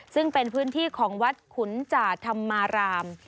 ซึ่งเป็นพื้นที่ของวัดขุนจ่าธรรมาราม